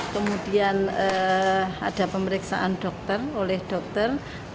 kemudian ada pemeriksaan dokter oleh dokter